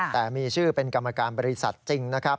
แต่มีชื่อเป็นกรรมการบริษัทจริงนะครับ